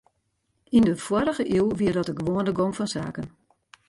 Yn de foarrige iuw wie dat de gewoane gong fan saken.